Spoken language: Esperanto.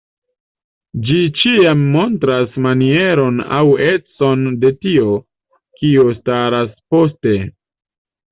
Ĝi ĉiam montras manieron aŭ econ de tio, kio staras poste.